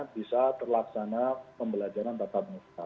bisa terlaksana pembelajaran tatap muka